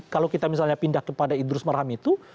kalau kita misalnya pindah kepada idrus marham itu